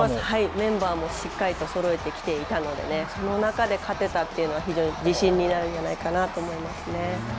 メンバーもしっかりとそろえてきていたのでその中で勝てたというのは自信になるんじゃないかなと思います。